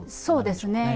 そうですね。